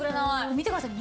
見てください。